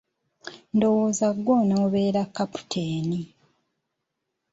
Ndowooza ggwe onoobeera Kapitaani.